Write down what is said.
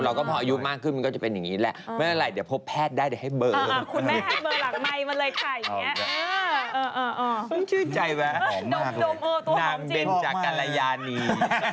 หอมมากเลยหอมมากทีมินต์จากกาลยานีนามเบลจากกาลยานีนามเบลจากกาลยานี